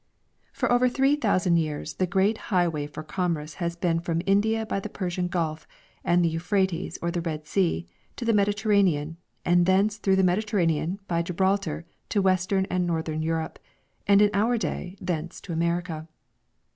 For over three thousand years the great highway for commerce has been from India by the Persian gulf and the Euphrates or by the Red sea to the Mediterranean, and thence through the Mediterranean by Gibraltar to western and northern Europe, and in our day thence to America.